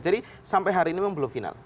jadi sampai hari ini memang belum final